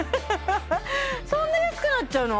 そんなに安くなっちゃうの？